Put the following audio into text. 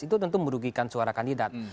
itu tentu merugikan suara kandidat